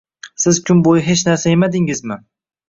Siz kun bo'yi hech narsa yemadingizmi?